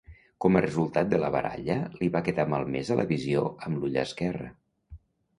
Com a resultat de la baralla li va quedar malmesa la visió amb l'ull esquerre.